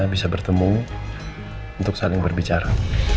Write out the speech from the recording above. bisa bertemu untuk saling berbicara